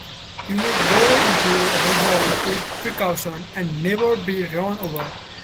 You may go into Holborn, with precaution, and never be run over.